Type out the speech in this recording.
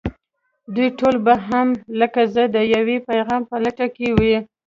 دوی ټول به هم لکه زه د يوه پيغام په لټه کې وي.